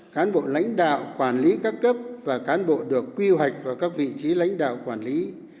cán bộ lãnh đạo quản lý các cấp và cán bộ được quy hoạch vào các vị trí lãnh đạo quản lý